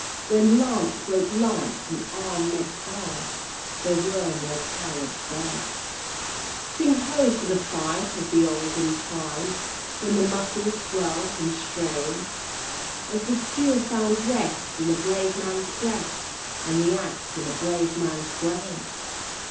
When lance broke lance and arm met arm— There were no cowards then; Sing ho! for the fight of the olden time, When the muscles swelled in strain, As the steel found rest in a brave man's breast And the axe in a brave man's brain!